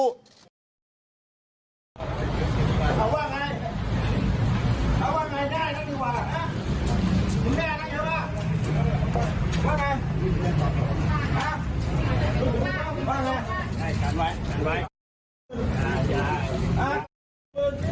ตั๊ง